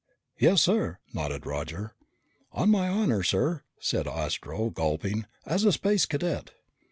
"Yes, sir," nodded Roger. "On my honor, sir," said Astro, gulping, "as a Space Cadet."